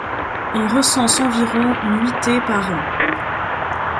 On recense environ nuitées par an.